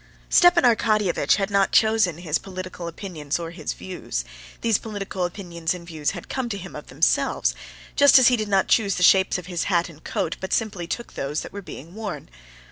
Stepan Arkadyevitch had not chosen his political opinions or his views; these political opinions and views had come to him of themselves, just as he did not choose the shapes of his hat and coat, but simply took those that were being worn.